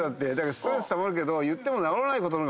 ストレスたまるけど。